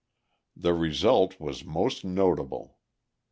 The result was most notable.